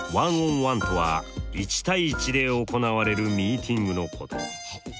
１ｏｎ１とは１対１で行われるミーティングのこと。